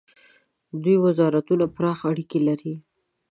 دوه وزارتونه پراخ اړیکي لري.